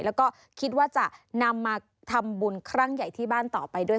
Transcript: แล้วก็คิดว่าจะนำมาทำบุญครั้งใหญ่ที่บ้านต่อไปด้วย